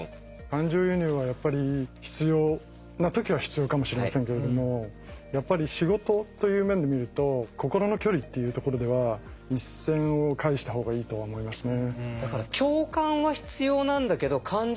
感情移入はやっぱり必要な時は必要かもしれませんけれどもやっぱり仕事という面で見ると心の距離っていうところでは一線をかいした方がいいとは思いますね。